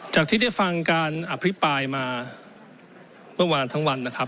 จากที่ได้ฟังการอภิปรายมาเมื่อวานทั้งวันนะครับ